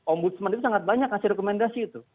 ombudsman itu sangat banyak kasih rekomendasi itu